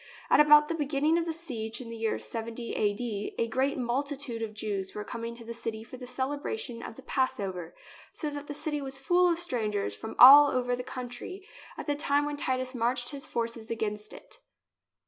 At about the beginning of the siege, in the year 70 a.d., a great multitude of Jews were coming to the city for the celebration of the Passover, so that the city was full of stran gers from all over the country at the time when Titus marched his forces against it.